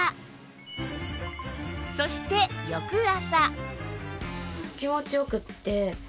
そして翌朝